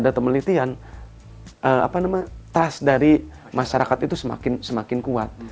dengan penelitian berbasis data itu data data penelitian apa namanya trust dari masyarakat itu semakin kuat